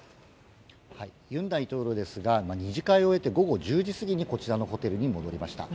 尹大統領ですが２次会を終えて午後１０時過ぎにこちらのホテルに戻りました。